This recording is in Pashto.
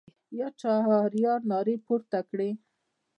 یا چهاریار نارې پورته کړې.